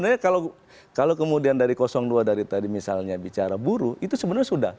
tapi kalau kemudian dari dua misalnya misalnya bicara buruh itu sebenarnya sudah